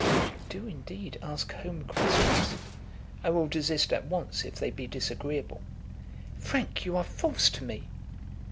"You do, indeed, ask home questions." "I will desist at once, if they be disagreeable." "Frank, you are false to me!"